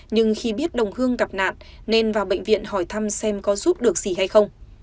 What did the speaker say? nhưng khi biết đồng hương gặp nạn nên vào bệnh viện hỏi thăm xem có giúp được gì hay không